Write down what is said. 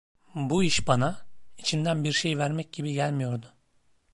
Bu iş bana, içimden bir şey vermek gibi gelmiyordu.